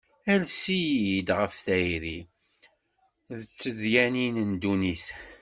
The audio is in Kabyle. Ales-iyi-d ɣef tayri, d tedyanin n dunnit.